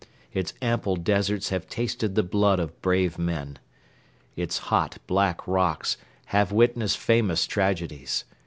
Its ample deserts have tasted the blood of brave men. Its hot, black rocks have witnessed famous tragedies.